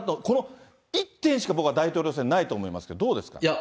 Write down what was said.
この１点しか、僕は大統領選ないと思いますけど、どうですか。